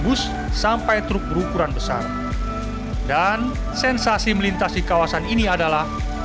kemudian jalan jalan jalan sampai truk berukuran besar dan sensasi melintasi kawasan ini adalah